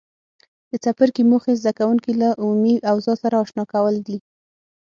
د څپرکي موخې زده کوونکي له عمومي اوضاع سره آشنا کول دي.